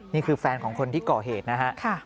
นี่คือแฟนของคนที่ก่อเหตุนะฮะ